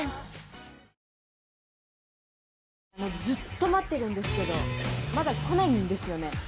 ずっと待ってるんですけどまだ来ないんですよね。